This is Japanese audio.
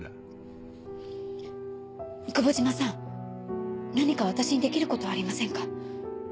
久保島さん何か私にできることありませんか？